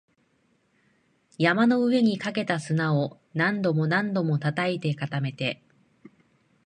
山の上にかけた砂を何度も何度も叩いて、固めて